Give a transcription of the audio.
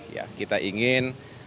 ya kita ingin